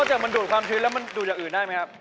จากมันดูดความชื้นแล้วมันดูดอย่างอื่นได้ไหมครับ